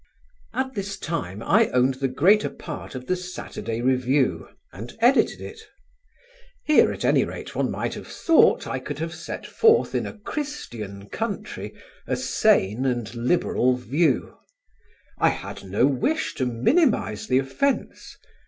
At this time I owned the greater part of the Saturday Review and edited it. Here at any rate one might have thought I could have set forth in a Christian country a sane and liberal view. I had no wish to minimise the offence.